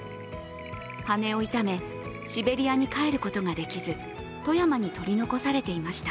羽を痛めシベリアに帰ることができず富山に取り残されていました。